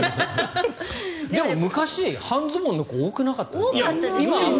昔、半ズボンの子多くなかったですか？